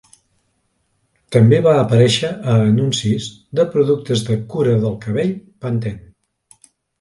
També va aparèixer a anuncis de productes de cura del cabell Pantene.